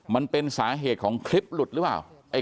มันเป็นสาเหตุของคลิปหลุดหรือเปล่า